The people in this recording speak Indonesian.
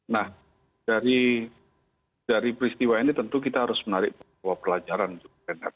nah dari peristiwa ini tentu kita harus menarik bahwa pelajaran juga renhardt